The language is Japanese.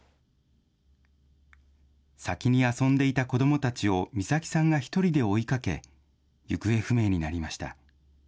先に遊んでいた子どもたちを美咲さんが１人で追いかけ、行方不明になりました。